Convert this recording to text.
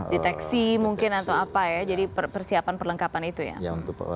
deteksi mungkin atau apa ya jadi persiapan perlengkapan itu ya